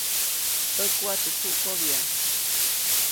ʼÄkuʼa teʼ suʼkobya.